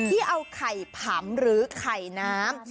ที่เอาไข่ผำหรือไข่น้ำ